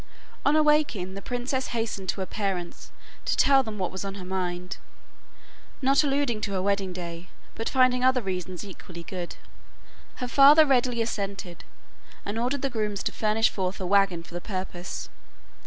On awaking, the princess hastened to her parents to tell them what was on her mind; not alluding to her wedding day, but finding other reasons equally good. Her father readily assented and ordered the grooms to furnish forth a wagon for the purpose.